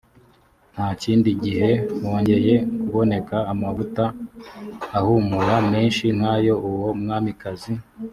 nta kindi gihe hongeye kuboneka amavuta ahumura menshi nk ayo uwo mwamikazi